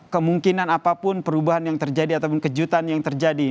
kemungkinan apapun perubahan yang terjadi ataupun kejutan yang terjadi